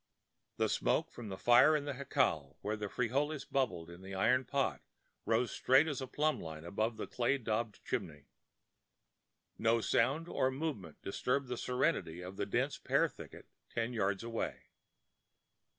The smoke from the fire in the jacal, where the frijoles blubbered in the iron pot, rose straight as a plumb line above the clay daubed chimney. No sound or movement disturbed the serenity of the dense pear thicket ten yards away.